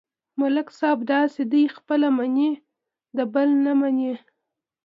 ملک صاحب داسې دی: خپله ومني، د بل نه مني.